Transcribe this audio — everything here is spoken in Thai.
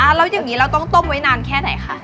แล้วอย่างนี้เราต้องต้มไว้นานแค่ไหนคะ